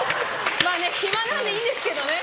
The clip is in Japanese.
まあね、暇なんでいいんですけどね。